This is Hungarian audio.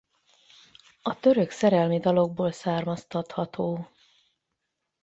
A török szerelmi dalokból származtatható.